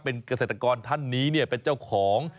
เป็นเกษตรกรท่านนี้เป็นเจ้าของ